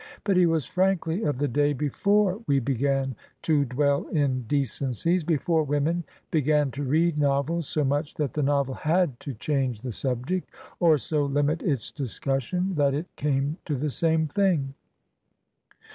But he was, frankly, of the day before we began to dwell in decencies, before women began to read novels so much that the novel had to change the subject, or so limit its discussion that it came to the same thing.